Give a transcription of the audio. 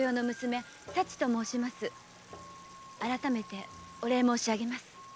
あらためてお礼申し上げます。